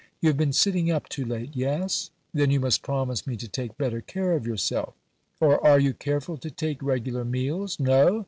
You have been sitting up too late? Yes? Then you must promise me to take better care of yourself." Or, "Are you careful to take regular meals? No?